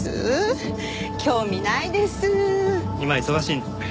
今忙しいんで。